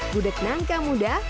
gudeg nangka muda